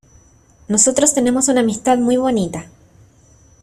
nosotros tenemos una amistad muy bonita,